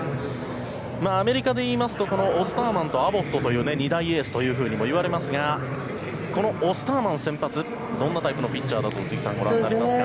アメリカで言いますとオスターマンとアボットが２大エースといわれますがこのオスターマン先発どんなタイプのピッチャーだとご覧になりますか？